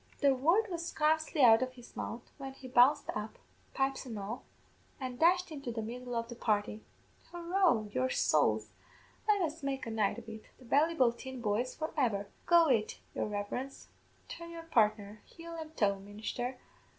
"The word was scarcely out of his mouth when he bounced up, pipes an' all, an' dashed into the middle of the party. 'Hurroo, your sowls, let us make a night of it! The Ballyboulteen boys for ever! Go it, your reverence turn your partner heel an' toe, ministher.